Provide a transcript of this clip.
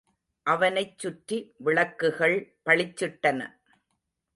அவனைச்சுற்றி விளக்குகள் பளிச்சிட்டன.